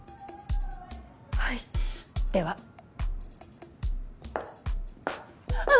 はいではあ